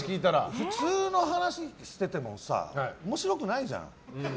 普通の話をしていても面白くないじゃん。